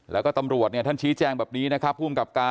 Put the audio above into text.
แล้วก็ตำรวจเนี่ยท่านชี่แจงแบบนี้นะครับ